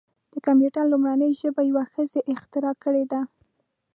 د کمپیوټر لومړنۍ ژبه یوه ښځې اختراع کړې ده.